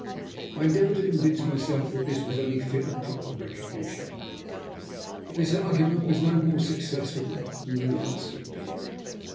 I endeavoured to convince myself that this was only fit and proper retribution, but this argument was no more successful than the last had been.